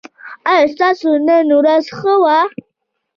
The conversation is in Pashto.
ایا ستاسو نن ورځ ښه وه؟